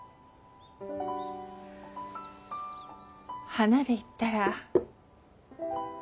花で言ったら。